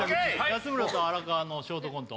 安村と荒川のショートコント